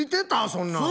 そんなん。